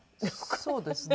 そうですね。